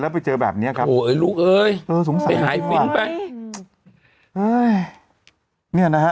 แล้วไปเจอแบบเนี้ยครับโอ้ยลูกเอ้ยเออสงสัยไปหายฟิ้นไปนี่นะฮะ